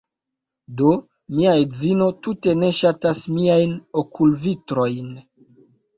Do, mia edzino tute ne ŝatas miajn okulvitrojn